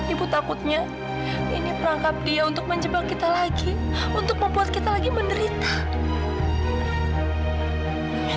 ibu takutnya ini perangkap dia untuk menjebak kita lagi untuk membuat kita lagi menderita